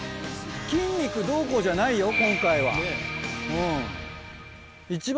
筋肉どうこうじゃないよ今回は。